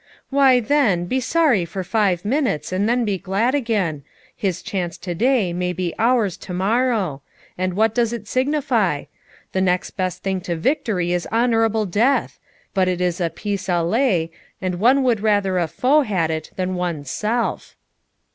'Why, then, be sorry for five minutes, and then be glad again; his chance to day may be ours to morrow; and what does it signify? The next best thing to victory is honourable death; but it is a PIS ALLER, and one would rather a foe had it than one's self.'